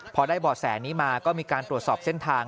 พอได้บ่อแสนี้มาก็มีการตรวจสอบเส้นทาง